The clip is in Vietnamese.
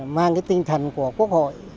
mang cái tinh thần của quốc hội